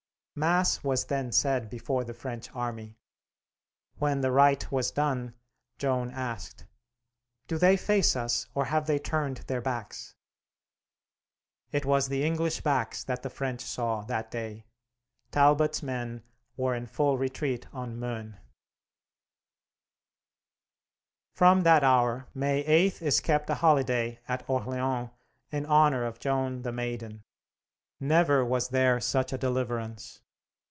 Mass was then said before the French army. When the rite was done, Joan asked: "Do they face us, or have they turned their backs?" It was the English backs that the French saw, that day: Talbot's men were in full retreat on Meun. From that hour, May 8 is kept a holiday at Orleans in honor of Joan the Maiden. Never was there such a deliverance.